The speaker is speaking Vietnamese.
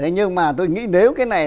nhưng mà tôi nghĩ nếu cái này